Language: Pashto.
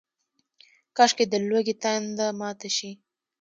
کاشکي، د لوږې تنده ماته شي